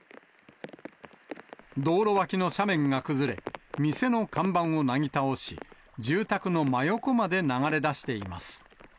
道路脇の斜面が崩れ、店の看板をなぎ倒し、住宅の真横まで流れ出しています。